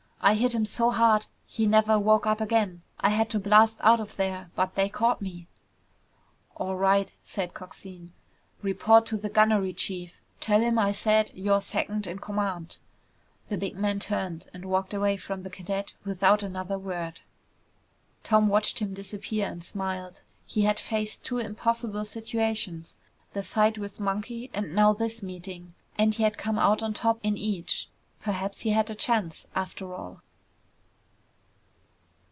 "I hit him so hard he never woke up again. I had to blast out of there, but they caught me." "All right," said Coxine. "Report to the gunnery chief. Tell him I said you're second in command." The big man turned and walked away from the cadet without another word. Tom watched him disappear and smiled. He had faced two impossible situations, the fight with Monkey and now this meeting, and he had come out on top in each. Perhaps he had a chance, after all.